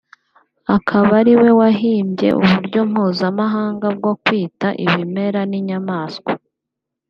akaba ari we wahimbye uburyo mpuzamahanga bwo kwita ibimera n’inyamaswa